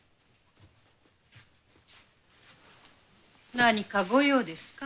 何かご用ですか？